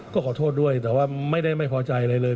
ก็ขอโทษด้วยแต่ว่าไม่ได้ไม่พอใจอะไรเลย